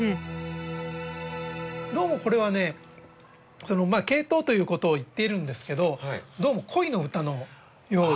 どうもこれはねケイトウということを言っているんですけどどうも恋の歌のようで。